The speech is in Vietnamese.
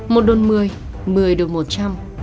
một đồn một mươi một mươi đồn một trăm linh